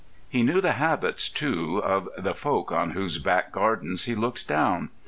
He knew the habits, too, of the folk on whose back gardens he looked down.